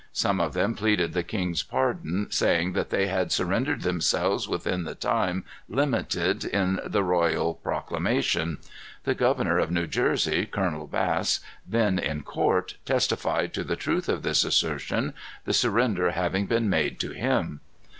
Some of them pleaded the king's pardon, saying that they had surrendered themselves within the time limited in the royal proclamation. The governor of New Jersey, Colonel Bass, then in court, testified to the truth of this assertion, the surrender having been made to him.